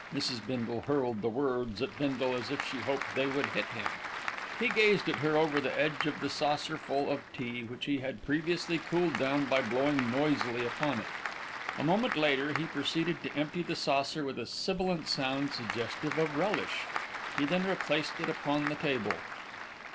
Mrs. Bindle hurled the words at Bindle as if she hoped they would hit him. He gazed at her over the edge of the saucerful of tea, which he had previously cooled by blowing noisily upon it. A moment later he proceeded to empty the saucer with a sibilant sound suggestive of relish. He then replaced it upon the table.